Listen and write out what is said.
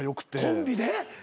コンビで？